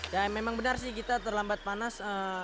ya memang benar sih kita terlambat panas